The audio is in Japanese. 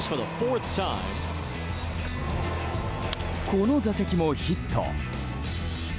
この打席もヒット。